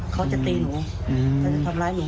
เขาจะตีหนู